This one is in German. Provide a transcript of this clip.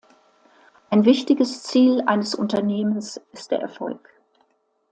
Ein wichtiges Ziel eines Unternehmens ist der Erfolg.